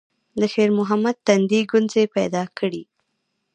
د شېرمحمد تندي ګونځې پيدا کړې.